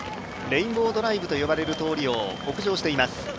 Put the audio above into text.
レインボードライブと呼ばれる通りを北上しています。